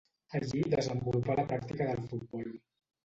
Allí desenvolupà la pràctica del futbol.